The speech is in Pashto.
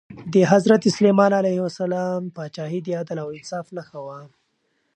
د حضرت سلیمان علیه السلام پاچاهي د عدل او انصاف نښه وه.